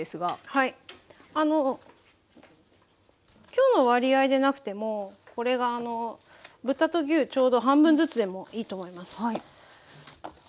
今日の割合でなくてもこれが豚と牛ちょうど半分ずつでもいいと思います。